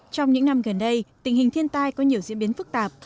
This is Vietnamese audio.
trong những năm gần đây tình hình thiên tai có nhiều diễn biến phức tạp